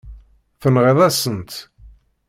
Tenɣiḍ-asen-tt.